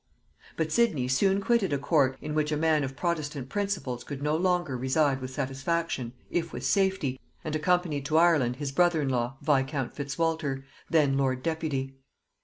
But Sidney soon quitted a court in which a man of protestant principles could no longer reside with satisfaction, if with safety, and accompanied to Ireland his brother in law viscount Fitzwalter, then lord deputy.